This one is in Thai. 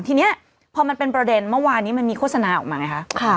ทีนี้พอมันเป็นประเด็นเมื่อวานนี้มันมีโฆษณาออกมาไงคะ